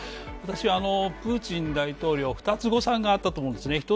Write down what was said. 私はプーチン大統領は２つ誤算があったと思うんですね。